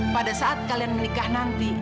pada saat kalian menikah nanti